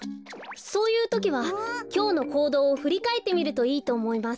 そういうときはきょうのこうどうをふりかえってみるといいとおもいます。